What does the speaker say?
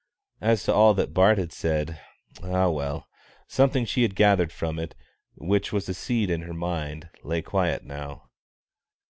As to all that Bart had said ah well! something she had gathered from it, which was a seed in her mind, lay quiet now.